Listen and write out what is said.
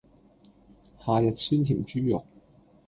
夏日酸甜豬肉